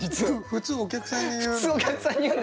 普通お客さんに言う。